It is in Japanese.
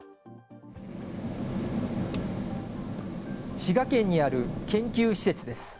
滋賀県にある研究施設です。